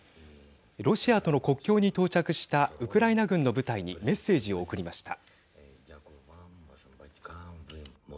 ロシアとの国境に到着したウクライナ軍の部隊にメッセージを送りました。